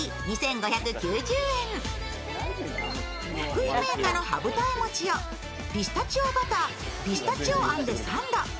福井銘菓の羽二重餅をピスタチオバターピスタチオあんでサンド